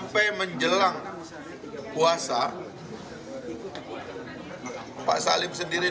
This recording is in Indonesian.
pasal ini sendiri